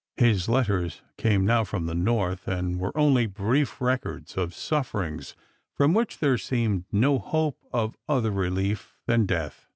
His letters came now from the North, and were only brief records of 8ufi"erings from which there seemed no hope of Strangers and Pilgrimt. 191 other relief than death.